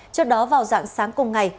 trước đó vào dạng sáng cùng ngày